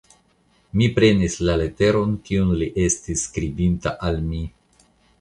Mi prenis la leteron, kiun li estis skribinta al mi.